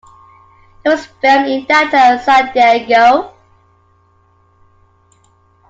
It was filmed in downtown San Diego.